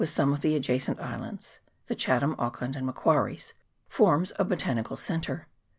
421 some of the adjacent islands (the Chatham, Auckland, and Macquarie's), forms a botanical centre.